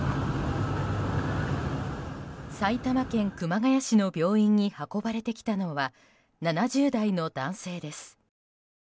埼玉県熊谷市の病院に運ばれてきたのは７０代の男性です。